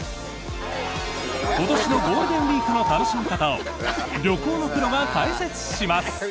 今年のゴールデンウィークの楽しみ方を旅行のプロが解説します。